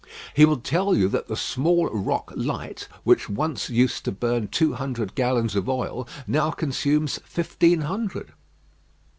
He would tell you that the Small Rock Light which once used to burn two hundred gallons of oil, now consumes fifteen hundred.